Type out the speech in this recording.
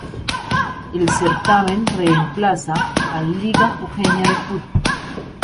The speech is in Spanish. El certamen reemplaza al Liga Jujeña de Fútbol.